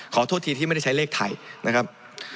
ขอโทษทีที่ไม่ได้ใช้เลขไทยนะครับ